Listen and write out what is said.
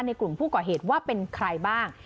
กลุ่มผู้ก่อเหตุว่าเป็นใครบ้าง